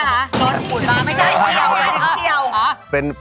ก็หลุ่นมาไม่ใช่เฉียว